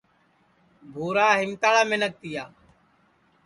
بُھورا ہیمتاڑا منکھ تیا